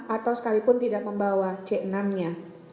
atau sekalipun tidak membawa c enam nya